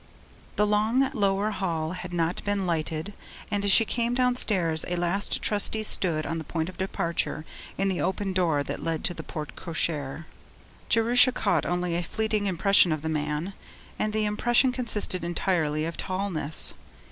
The long lower hall had not been lighted, and as she came downstairs, a last Trustee stood, on the point of departure, in the open door that led to the porte cochere. Jerusha caught only a fleeting impression of the man and the impression consisted entirely of tallness.